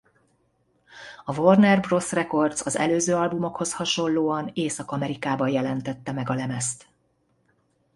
A Warner Bros. Records az előző albumokhoz hasonlóan Észak-Amerikában jelentette meg a lemezt.